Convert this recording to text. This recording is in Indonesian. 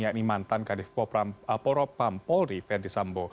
yakni mantan kadif poropam polri ferdisambo